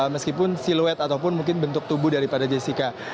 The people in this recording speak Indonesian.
meskipun siluet ataupun mungkin bentuk tubuh daripada jessica